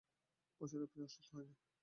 পশুরা প্রায়ই অসুস্থ হয় না।